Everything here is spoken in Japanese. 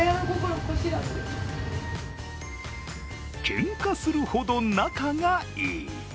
けんかするほど仲がいい。